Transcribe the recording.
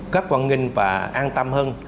rất quang nghinh và an tâm hơn